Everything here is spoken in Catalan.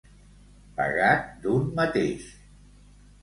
Pagat d'un mateix.